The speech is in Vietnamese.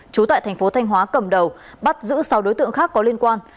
trú tại thành phố thanh hóa cầm đầu bắt giữ sáu đối tượng khác có liên quan